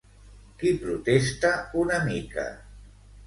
Qui protesta una mica?